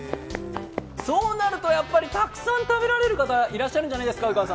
そうなると、やっぱりたくさん食べられる方、いらっしゃるんじゃないですか？